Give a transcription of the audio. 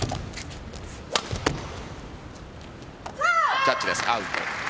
ジャッジです、アウト。